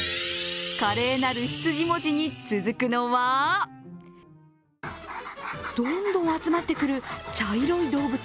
華麗なる羊文字に続くのはどんどん集まってくる茶色い動物。